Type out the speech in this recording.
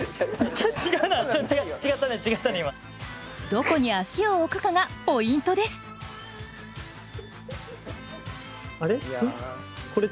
どこに足を置くかがポイントですあれ？